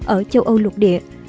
ở châu âu lục địa